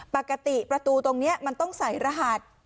ปกติประตูตรงนี้มันต้องใส่รหัส